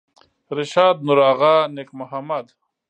رشاد نورآغا نیک محمد